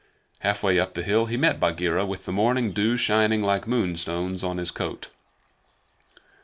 Halfway up the hill he met Bagheera with the morning dew shining like moonstones on his coat.